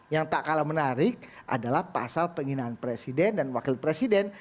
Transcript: yang tak kalah menarik adalah pasal penghinaan presiden dan wakil presiden